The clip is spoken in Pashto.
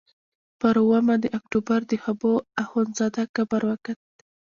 پر اوومه د اکتوبر د حبو اخندزاده قبر وکت.